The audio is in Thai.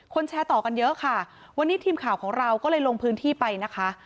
แชร์ต่อกันเยอะค่ะวันนี้ทีมข่าวของเราก็เลยลงพื้นที่ไปนะคะ